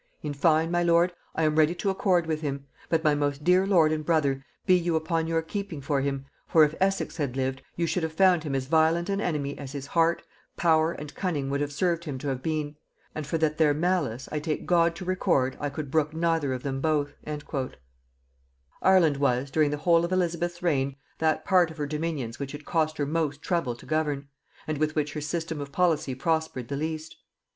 "In fine, my lord, I am ready to accord with him; but, my most dear lord and brother, be you upon your keeping for him; for, if Essex had lived, you should have found him as violent an enemy as his heart, power and cunning would have served him to have been; and for that their malice, I take God to record, I could brook neither of them both." [Note 79: "Sidney Papers," vol. i.] Ireland was, during the whole of Elizabeth's reign, that part of her dominions which it cost her most trouble to govern, and with which her system of policy prospered the least.